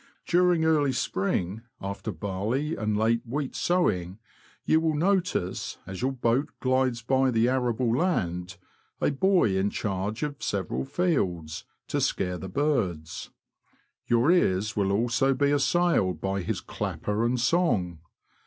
During early spring, after barley and late wheat sowing, you will notice, as your boat glides by the arable land, a boy in charge of several fields, to scare the birds. Your ears will also be assailed by his clapper and song.